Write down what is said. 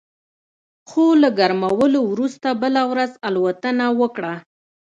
خو له ګرمولو وروسته بله ورځ الوتنه وکړه